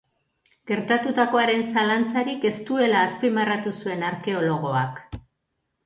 Gertatutakoaren zalantzarik ez duela azpimarratu zuen arkeologoak.